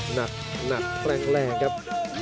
หนักหนักแรงครับ